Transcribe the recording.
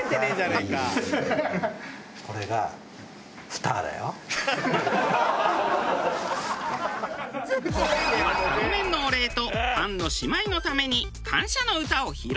たろめんのお礼とファンの姉妹のために感謝の歌を披露。